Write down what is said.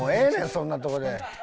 そんなとこで。